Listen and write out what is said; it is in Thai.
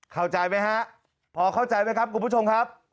เข้าใจไหมฮะพอเข้าใจไหมครับคุณผู้ชมครับ